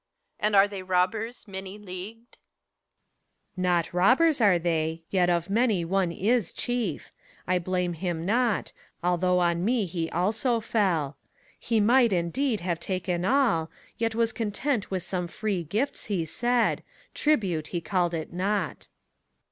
and are they robbers many — leagued T PHORKYAS. Not robbers are they ; yet of many one is Chief : I blame him not, although on me he also fell. He might, indeed, have taken all ; yet was content With some free gifts, he said : tribute he called it not.